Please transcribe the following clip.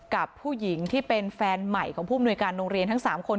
กับผู้หญิงที่เป็นแฟนใหม่ของผู้มนุยการโรงเรียนทั้ง๓คน